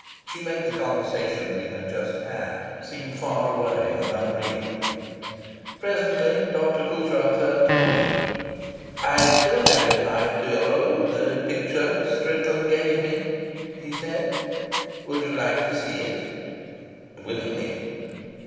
She made the conversation we had just had seem far away and unreal. Presently Dr. Coutras turned to me. "I still have in my the picture that Strickland gave me," he said. "Would you like to see it?" "Willingly."